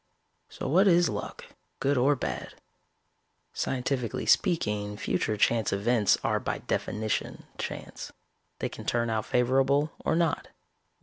"So what is luck, good or bad? Scientifically speaking, future chance events are by definition chance. They can turn out favorable or not.